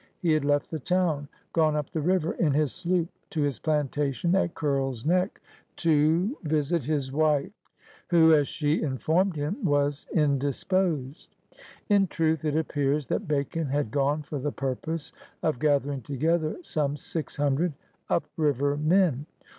He had left the town — gone up the river in his sloop to his plantation at Curies Neck '^to NATHANIEL BACON 171 visit his wife, who, as she inf onned him, was in disposed/' In truth it appears that Bacon had gone for the purpose of gathering together some six hundred up river men.